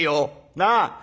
なあ？